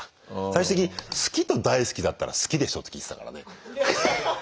最終的に「好きと大好きだったら好きでしょ」って聞いてたからね。